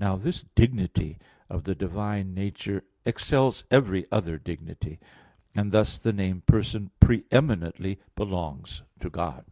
Now the dignity of the divine nature excels every other dignity; and thus the name "person" pre eminently belongs to God.